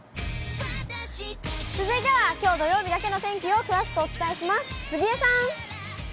続いては、きょう土曜日だけの天気を詳しくお伝えします。